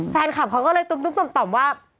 แฟนคลับเขาก็เลยตุ๊บต่อมว่า